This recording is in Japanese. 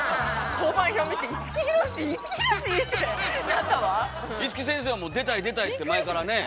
香盤表見て五木先生はもう出たい出たいって前からねえ？